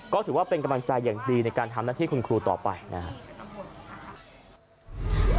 ก็ถือว่าเป็นกำลังใจอย่างดีในการทำหน้าที่คุณครูต่อไปนะครับ